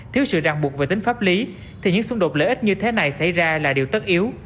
thiếu sự ràng buộc về tính pháp lý thì những xung đột lợi ích như thế này xảy ra là điều tất yếu